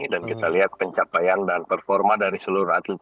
dan kita lihat pencapaian dan performa dari seluruh atlet